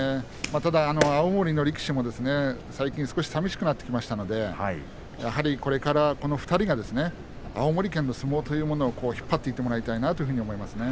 青森の力士も最近少し寂しくなってきましたのでやはりこれからこの２人が青森県の相撲というものを引っ張っていってもらいたいなと思いますね。